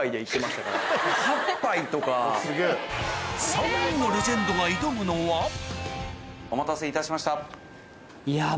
３人のレジェンドが挑むのはお待たせいたしました。